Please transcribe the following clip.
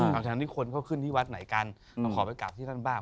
ต่างจากที่คนเข้าขึ้นที่วัดไหนกันเราขอไปกราบที่นั่นบ้าง